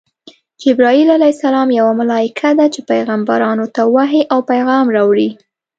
جبراییل ع یوه ملایکه ده چی پیغمبرانو ته وحی او پیغام راوړي.